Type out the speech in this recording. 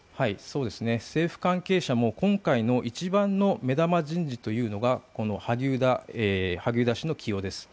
政府関係者も今回の一番の目玉人事というのがこの萩生田氏の起用です。